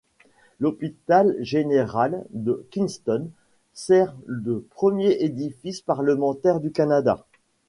L'hôpital général de Kingston sert de premier édifice parlementaire du Canada.